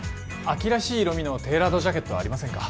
秋らしい色味のテーラードジャケットはありませんか？